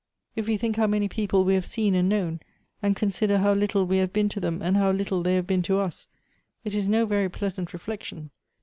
If we think how many people we have seen and known, and consider how little we have been to them and how little they have been to us, it is no very pleasant reflection.